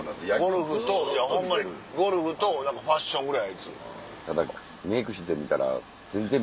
ゴルフとホンマにゴルフとファッションぐらいあいつ。